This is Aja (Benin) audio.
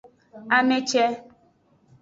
Ame ce.